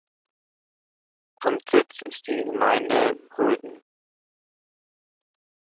Amtssitz ist die Gemeinde Gröden.